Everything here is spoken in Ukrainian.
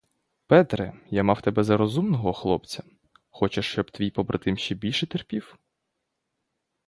Петре, я мав тебе за розумного хлопця, хочеш, щоб твій побратим ще більше терпів?